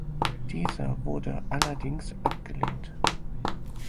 Dieser wurde allerdings abgelehnt.